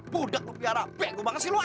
budak lu piara be gua bangga sih lu ah